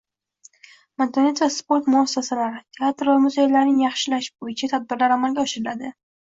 Madaniyat va sport muassasalari, teatr va muzeylarning yaxshilash bo'yicha tadbirlar amalga oshiriladi.